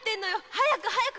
早く早く！